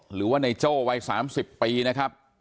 หรือว่าในโจ้วัย๓๐ปีนะครับ